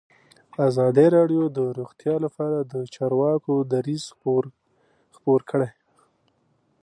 ازادي راډیو د روغتیا لپاره د چارواکو دریځ خپور کړی.